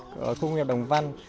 của khu công nghiệp đồng văn